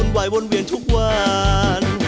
ได้ไหมครับ